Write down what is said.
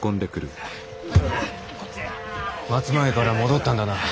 松前から戻ったんだな。